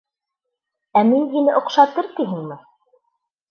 Ә мин һине оҡшатыр тиһеңме?